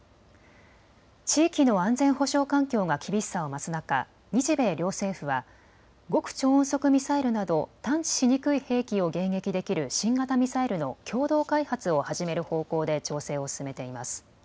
地域の安全保障環境が厳しさを増す中、日米両政府は極超音速ミサイルなど探知しにくい兵器を迎撃できる新型ミサイルの共同開発を始める方向で調整を進めています。